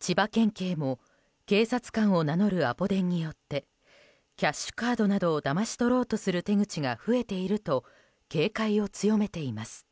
千葉県警も警察官を名乗るアポ電によってキャッシュカードなどをだまし取ろうとする手口が増えていると警戒を強めています。